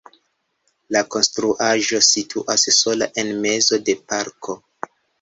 La konstruaĵo situas sola en mezo de parko.